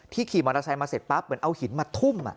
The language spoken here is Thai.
ขี่มอเตอร์ไซค์มาเสร็จปั๊บเหมือนเอาหินมาทุ่ม